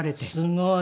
すごい！